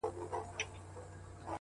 اوس پر ما لري _